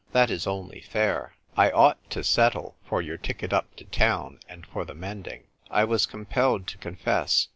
That is only fair. I ought to settle for your ticket up to town, and for the mending." I was compelled to confess.